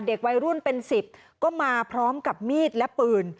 เด็กวัยรุ่นเป็น๑๐ก็มาพร้อมกับมีดและปืน